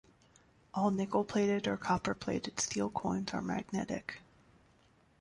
All nickel-plated or copper-plated steel coins are magnetic.